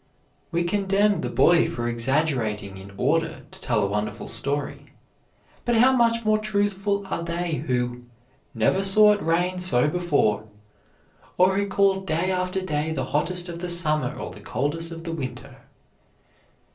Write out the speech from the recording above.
We condemn the boy for exaggerating in order to tell a wonderful story; but how much more truthful are they who "never saw it rain so before," or who call day after day the hottest of the summer or the coldest of the winter?